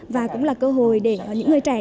và cũng là cơ hội để những người trẻ